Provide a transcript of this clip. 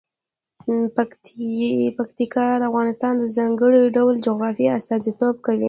پکتیکا د افغانستان د ځانګړي ډول جغرافیه استازیتوب کوي.